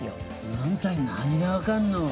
あんたに何がわかるの。